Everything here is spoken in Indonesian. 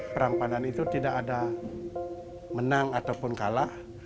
perang pandan itu tidak ada menang ataupun kalah